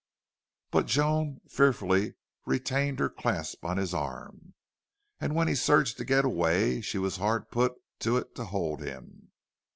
But Joan fearfully retained her clasp on his arm, and when he surged to get away she was hard put to it to hold him.